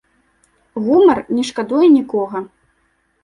Гумар не шкадуе нікога!